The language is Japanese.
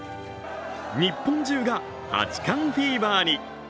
日本中が八冠フィーバーに。